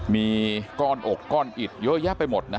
มีก้อนอกก้อนอิดเยอะแยะไปหมด